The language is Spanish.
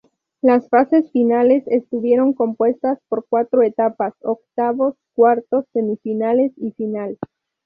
Las fases finales estuvieron compuestas por cuatro etapas: octavos, cuartos, semifinales y final.